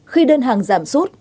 khi đơn hàng giảm xuất